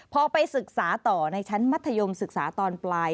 พอไปศึกษาต่อในชั้นมัธยมศึกษาตอนปลาย